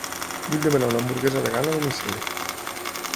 Vull demanar una hamburguesa vegana a domicili.